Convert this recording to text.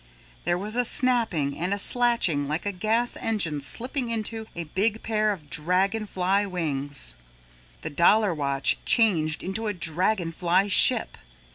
There was a snapping and a slatching like a gas engine slipping into a big pair of dragon fly wings. The dollar watch changed into a dragon fly ship.